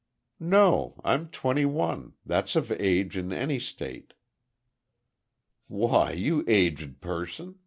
"No, I'm twenty one—that's of age in any state." "Why, you aged person!